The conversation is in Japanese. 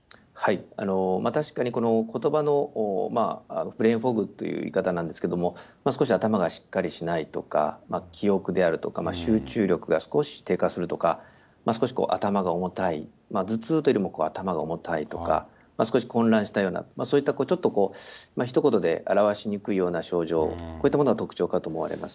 確かに、ことばの、ブレーンフォグっていう言い方なんですけれども、少し頭がしっかりしないとか、記憶であるとか、集中力が少し低下するとか、少し頭が重たい、頭痛というよりも頭が重たいとか、少し混乱したような、そういった、ちょっとひと言で表しにくいような症状、こういったものが特徴かと思われます。